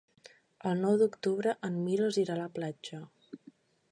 El nou d'octubre en Milos irà a la platja.